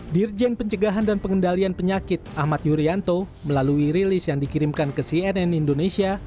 dirjen pencegahan dan pengendalian penyakit ahmad yuryanto melalui rilis yang dikirimkan ke cnn indonesia